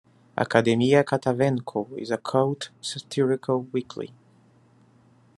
Academia Catavencu is a cult satirical weekly.